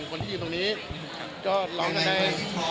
คนที่อยู่ตรงนี้ก็ร้องกันได้